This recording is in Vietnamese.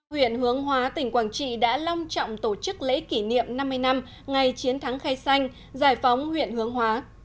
huyện hướng hóa tỉnh quảng trị đã long trọng tổ chức lễ kỷ niệm năm mươi năm ngày chiến thắng khay xanh giải phóng huyện hướng hóa